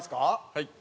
はい。